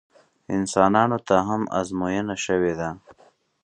انسانانو ته هم ازموینې شوي دي.